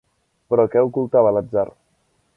Però què ocultava l'atzar?